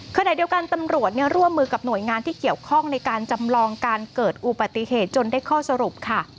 ขณะเดียวกันตำรวจร่วมมือกับหน่วยงานที่เกี่ยวข้องในการจำลองการเกิดอุบัติเหตุจนได้ข้อสรุปค่ะ